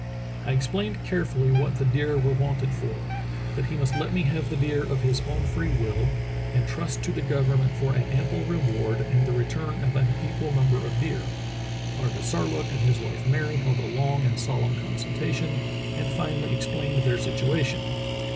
*T explained carefully what the deer were wanted for; that he must let me have the deer of his own free will, and trust to the government for an ample reward and the return of an equal number of deer. "Artisarlook and his wife Mary held a long and solemn consultation and finally explained their situa tion.